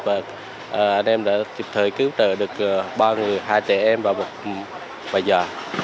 và anh em đã kịp thời cứu trời được ba người hai trẻ em và một bà già